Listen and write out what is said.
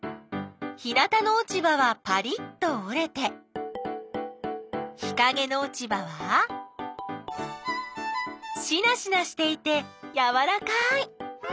日なたのおちばはパリッとおれて日かげのおちばはしなしなしていてやわらかい！